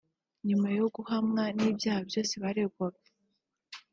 nyuma yo guhamwa n’ibyaha byose yaregwaga